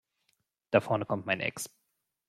Da vorne kommt mein Ex.